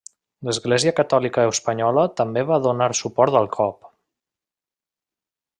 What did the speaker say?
L'Església Catòlica espanyola també va donar suport al cop.